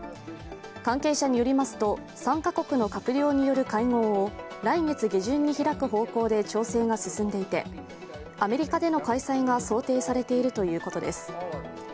関係者によりますと参加国の閣僚による会合を来月下旬に開く方向で調整が進んでいてアメリカでの開催が想定されているということです。